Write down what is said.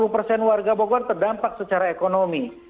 lima puluh persen warga bogor terdampak secara ekonomi